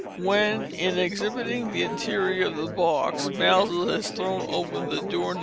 When, in exhibiting the interior of the box, Maelzel has thrown open the door No.